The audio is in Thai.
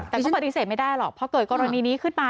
แต่เขาปฏิเสธไม่ได้หรอกพอเกิดกรณีนี้ขึ้นมา